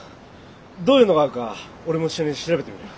どういうのがあるか俺も一緒に調べてみるよ。